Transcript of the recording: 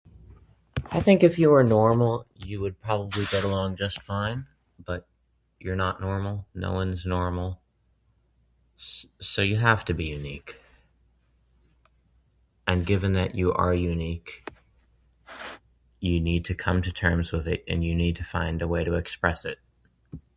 I think if you're normal, you would probably get along just fine, but, you're not normal, no one's normal, so so you have to be unique. And given that you are unique, you need to come to terms with it and you need to find a way to express it.